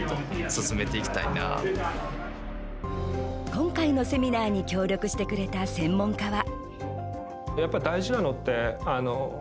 今回のセミナーに協力してくれた専門家は。